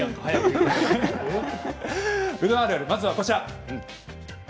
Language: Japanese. まずは、こちらです。